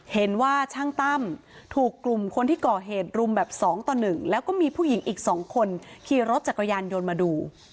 เห็นว่าช่างตั้มถูกกลุ่มคนที่ก่อเหตุรุมแบบ๒ต่อ๑แล้วก็มีผู้หญิงอีก๒คนขี่รถจักรยานยนต์มาดู